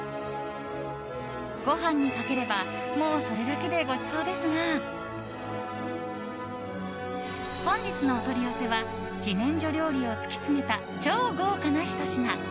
ご飯にかければもうそれだけでごちそうですが本日のお取り寄せは自然薯料理を突き詰めた超豪華なひと品。